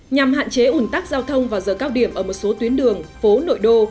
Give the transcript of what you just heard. nhằm hạn chế ủn tắc giao thông vào giờ cao điểm ở một số tuyến đường phố nội đô